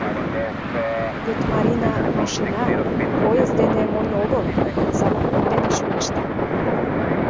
Вет Марина машина, поезд дене монь огыл, а самолёт дене чоҥешта.